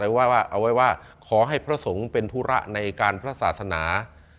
ว่าเอาไว้ว่าขอให้พระสงฆ์เป็นธุระในการพระศาสนา